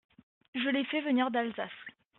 Je les fais venir d’Alsace.